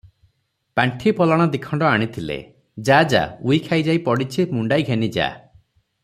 ପାଣ୍ଠି ପଲାଣ ଦିଖଣ୍ଡ ଆଣିଥିଲେ; ଯା, ଯା, ଉଇ ଖାଇଯାଇ ପଡ଼ିଛି ମୁଣ୍ଡାଇ ଘେନି ଯା ।